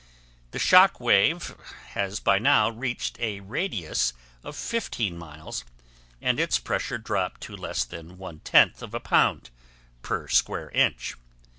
The shock wave has by now reached a radius of 15 miles and its pressure dropped to less than 1/10 of a pound per square inch.